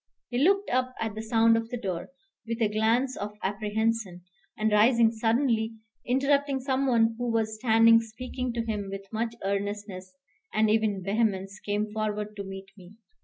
He looked up at the sound of the door, with a glance of apprehension; and rising suddenly, interrupting some one who was standing speaking to him with much earnestness and even vehemence, came forward to meet me.